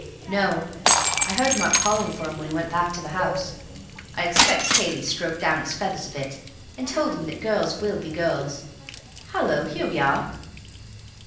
"No. I heard Mark calling for him when he went back to the house. I expect Cayley stroked down his feathers a bit, and told him that girls will be girls....—Hallo, here we are."